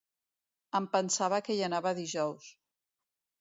Em pensava que hi anava dijous.